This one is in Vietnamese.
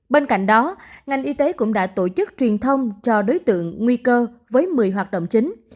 bên cạnh đó ngành y tế cũng đã tổ chức truyền thông cho đối tượng nguy cơ với một mươi hoạt động chính